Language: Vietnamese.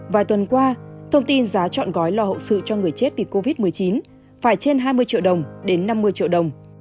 vài tuần qua thông tin giá chọn gói lo hậu sự cho người chết vì covid một mươi chín phải trên hai mươi triệu đồng đến năm mươi triệu đồng